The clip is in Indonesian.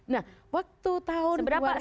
nah waktu tahun dua itu